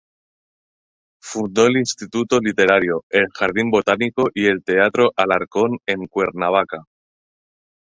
Fundó el Instituto Literario, el Jardín Botánico y el Teatro Alarcón en Cuernavaca.